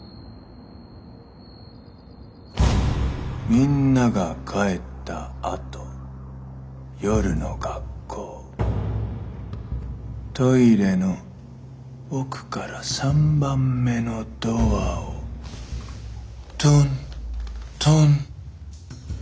みんなが帰ったあと夜の学校トイレの奥から３番目のドアをトントントン。